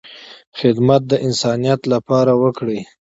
خدمت د انسانیت لپاره وکړه،